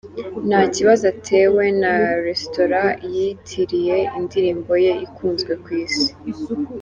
Nta kibazo atewe na Restora yiyitiriye indirimbo ye ikunzwe ku isi